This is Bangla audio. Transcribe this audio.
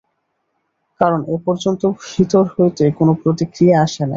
কারণ এ পর্যন্ত ভিতর হইতে কোন প্রতিক্রিয়া আসে নাই।